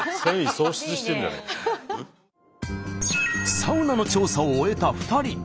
サウナの調査を終えた２人。